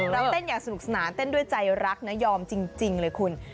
เราเต้นอย่างสนุกสนานเต้นด้วยใจรักนะยอมจริงเลยคุณ